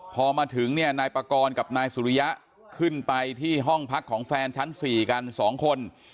พอมาถึงเนี่ยนายปากรกับนายสุริยะขึ้นไปที่ห้องพักของแฟนชั้น๔กัน๒คน